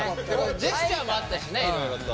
ジェスチャーもあったしねいろいろと。